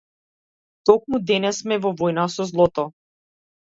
Токму денес сме во војна со злото!